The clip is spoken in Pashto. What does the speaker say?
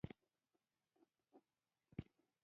نه د زابل، کندهار او هلمند په معصوم وزیرستان کې.